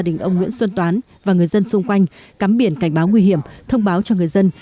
gia đình ông nguyễn xuân toán và người dân xung quanh cắm biển cảnh báo nguy hiểm thông báo cho người dân